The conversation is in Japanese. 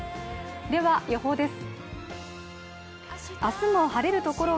では予報です。